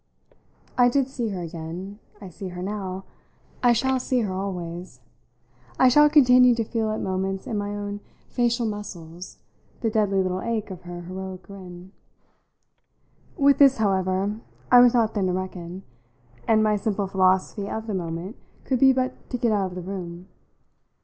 I did see her again; I see her now; I shall see her always; I shall continue to feel at moments in my own facial muscles the deadly little ache of her heroic grin. With this, however, I was not then to reckon, and my simple philosophy of the moment could be but to get out of the room.